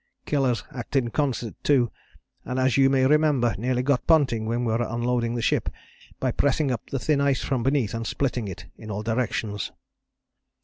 Killers act in concert, too, and, as you may remember, nearly got Ponting when we were unloading the ship, by pressing up the thin ice from beneath and splitting it in all directions.